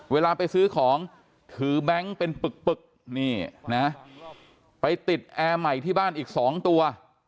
เวลาไปซื้อของถือแบงค์เป็นปึกนี่นะไปติดแอร์ใหม่ที่บ้านอีก๒ตัว